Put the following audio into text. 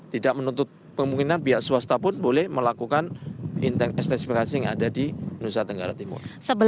tidak menuntut kemungkinan pihak swasta pun boleh melakukan intenstensifikasi yang ada di nusa tenggara timur